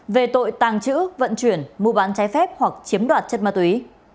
về tội tàng trữ vận chuyển mua bán trái phép hoặc chiếm đoạt chất ma túy